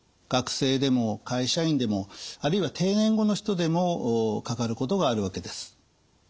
学生でも会社員でもあるいは定年後の人でもかかることがあるわけです。